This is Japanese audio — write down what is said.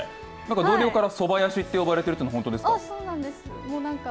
同僚から、そばやしって呼ばれてるって本当ですか？